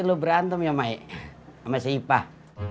lo berantem ya may sama si ipah